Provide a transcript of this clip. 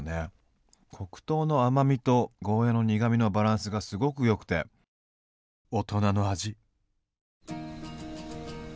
黒糖の甘みとゴーヤーの苦みのバランスがすごくよくて大人の味。